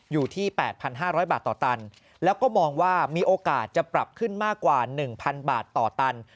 อยู่ที่๘๕๐๐บาทต่อตันแล้วก็มองว่ามีโอกาสจะปรับขึ้นมากกว่า๑๐๐บาทต่อตัน